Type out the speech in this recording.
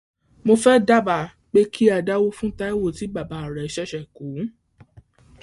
Mo fẹ́ dábàá pé kí a dáwó fún Táíwò tí bàbá rẹ̀ ṣẹ̀sẹ̀ kú.